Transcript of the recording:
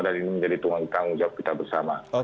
ini menjadi tanggung jawab kita bersama